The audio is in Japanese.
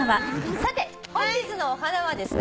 さて本日のお花はですね